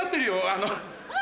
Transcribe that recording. あの。